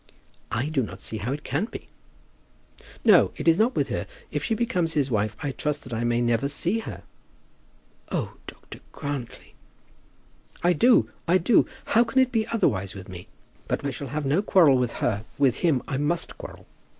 "I do not see how it can be." "No; it is not with her. If she becomes his wife I trust that I may never see her." "Oh, Dr. Grantly!" "I do; I do. How can it be otherwise with me? But I shall have no quarrel with her. With him I must quarrel."